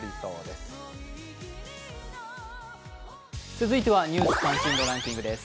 続いてはニュース関心度ランキングです。